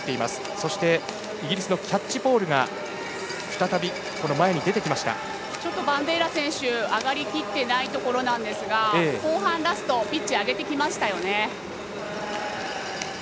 そしてイギリスのキャッチポールバンデイラ選手上がりきっていないところですが後半ラストピッチを上げてきました。